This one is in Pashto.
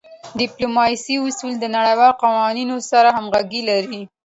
د ډیپلوماسی اصول د نړیوالو قوانینو سره همږغي لری.